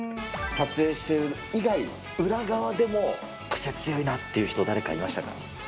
撮影してる以外、裏側でも、癖強いなっていう人、誰かいましたか？